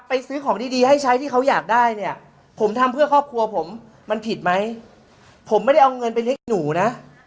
ซื้อของดีดีให้ใช้ที่เขาอยากได้เนี่ยผมทำเพื่อครอบครัวผมมันผิดไหมผมไม่ได้เอาเงินไปให้หนูนะ